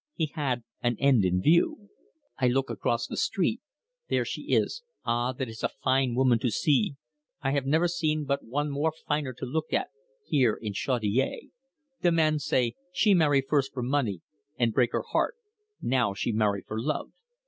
He had an end in view. "I look across the street. There she is ' Ah, that is a fine woman to see! I have never seen but one more finer to look at here in Chaudiere.' The man say: 'She marry first for money, and break her heart; now she marry for love.